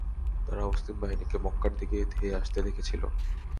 তারা মুসলিম বাহিনীকে মক্কার দিকে ধেয়ে আসতে দেখেছিল।